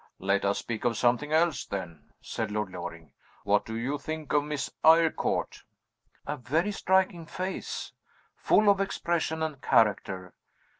"Let us speak of something else then," said Lord Loring. "What do you think of Miss Eyrecourt?" "A very striking face; full of expression and character.